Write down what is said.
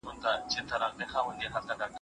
دې زده کړو ته د سکولاستيک نوم ورکول کيده.